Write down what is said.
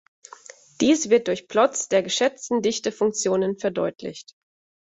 Dies wird durch Plots der geschätzten Dichtefunktionen verdeutlicht.